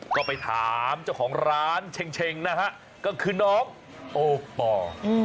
ก็ไปถามเจ้าของร้านเช็งนะฮะก็คือน้องโอปอร์